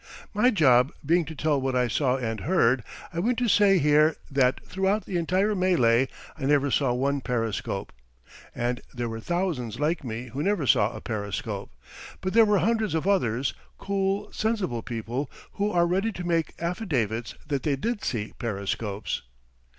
My job being to tell what I saw and heard, I want to say here that throughout the entire mêlée I never saw one periscope! And there were thousands like me who never saw a periscope. But there were hundreds of others cool, sensible people who are ready to make affidavits that they did see periscopes.